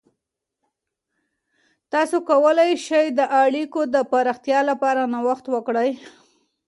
تاسې کولای سئ د اړیکو د پراختیا لپاره نوښت وکړئ.